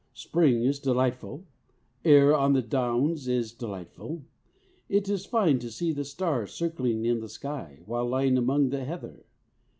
Spring is delightful, air on the Downs is delightful; it is fine to see the stars circling in the sky, while lying among the heather.